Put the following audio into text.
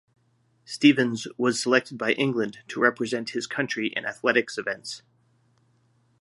Stevens was selected by England to represent his country in athletics events.